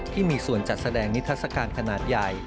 ที่มีส่วนจัดแสดงนิทัศกาลขนาดใหญ่